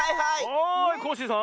はいコッシーさん。